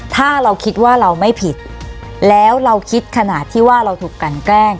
ถ้าเราคิดว่าเราไม่ผิดแล้วเราคิดขนาดที่ว่าเราถูกกันแกล้ง